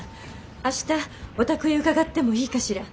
明日お宅へ伺ってもいいかしら？